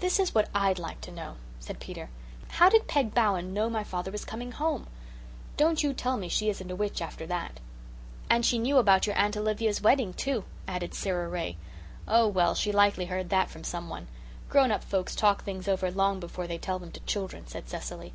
"This is what I'D like to know," said Peter. "How did Peg Bowen know my father was coming home? Don't you tell me she isn't a witch after that." "And she knew about your Aunt Olivia's wedding, too," added Sara Ray. "Oh, well, she likely heard that from some one. Grown up folks talk things over long before they tell them to children," said Cecily.